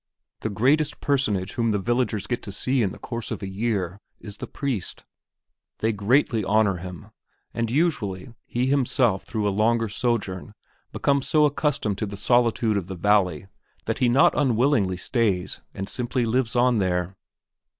The greatest personage whom the villagers get to see in the course of the year is the priest. [Illustration: ADALBERT STIFTER DAFFINGER] They greatly honor him, and usually he himself through a longer sojourn becomes so accustomed to the solitude of the valley that he not unwillingly stays and simply lives on there.